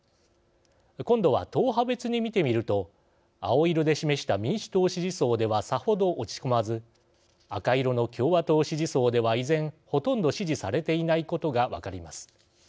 今度は党派別に見てみると青色で示した民主党支持層ではさほど落ち込まず赤色の共和党支持層では依然、ほとんど支持されていないことが分かります。